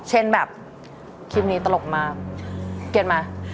เช่นแบบคลิปนี้ตลกมากเกลียดมา